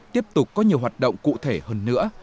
tiếp tục có nhiều hoạt động cụ thể hơn nữa